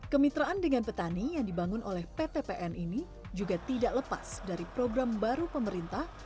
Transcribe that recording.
kemitraan dengan petani yang dibangun oleh ptpn ini juga tidak lepas dari program baru pemerintah